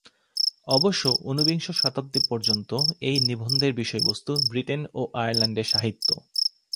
অবশ্য ঊনবিংশ শতাব্দী পর্যন্ত এই নিবন্ধের বিষয়বস্তু ব্রিটেন ও আয়ারল্যান্ডের সাহিত্য।